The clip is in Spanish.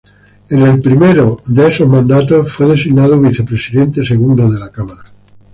En el primero de esos mandatos fue designado vicepresidente segundo de la Cámara.